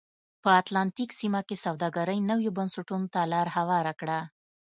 په اتلانتیک سیمه کې سوداګرۍ نویو بنسټونو ته لار هواره کړه.